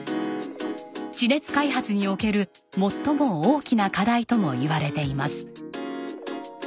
地熱開発における最も大きな課題ともいわれています。